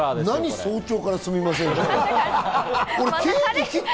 早朝からすみませんって。